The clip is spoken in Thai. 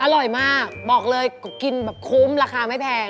อร่อยมากบอกเลยกินแบบคุ้มราคาไม่แพง